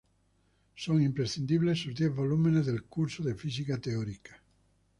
Son imprescindibles sus diez volúmenes del "Curso de Física Teórica".